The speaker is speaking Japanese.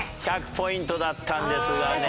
１００ポイントだったんですがね。